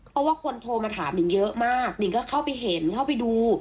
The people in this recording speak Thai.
เพราะว่าคนโทรมาถามนิ่งเยอะมากนิ่งก็เข้าไปเห็นเข้าไปดู